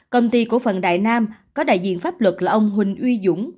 công ty cổ phần đại nam có đại diện pháp luật là ông huỳnh uy dũng